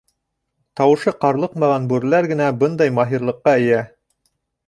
Тауышы ҡарлыҡмаған бүреләр генә бындай маһирлыҡҡа эйә.